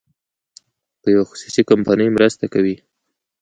که یوه خصوصي کمپنۍ مرسته کوي.